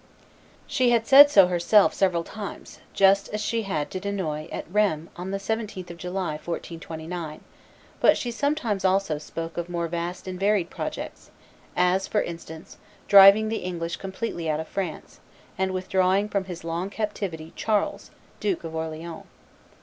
She had said so herself several times, just as she had to Dunois at Rheims on the 17th of July, 1429; but she sometimes also spoke of more vast and varied projects, as, for instance, driving the English completely out of France, and withdrawing from his long captivity Charles, Duke of Orleans.